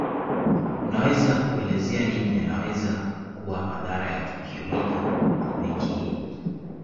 Unaweza kuelezea nini yanaweza kuwa madhara ya tukio hili kwa benki hii